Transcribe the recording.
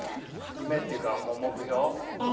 夢っていうか目標？